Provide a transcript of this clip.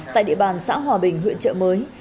tại địa bàn xã hòa bình huyện chợ mới